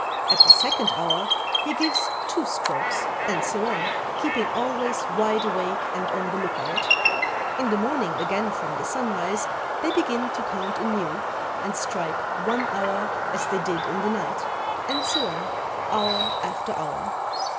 At the second hour, he gives two strokes, and so on, keeping always wide awake and on the lookout. In the morning again from the sunrise, they begin to count anew, and strike one hour as they did in the night, and so on hour after hour.